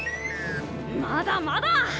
まだまだ！